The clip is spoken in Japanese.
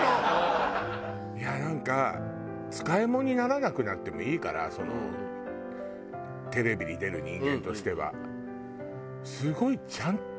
いやなんか使い物にならなくなってもいいからそのテレビに出る人間としては。